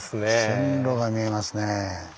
線路が見えますねぇ。